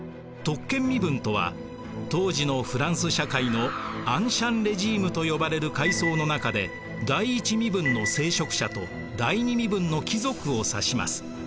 特権身分とは当時のフランス社会のアンシャン・レジームと呼ばれる階層の中で第一身分の聖職者と第二身分の貴族を指します。